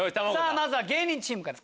まずは芸人チームから！